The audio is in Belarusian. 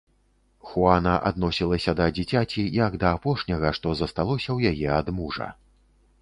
Хуана адносілася да дзіцяці, як да апошняга, што засталося ў яе ад мужа.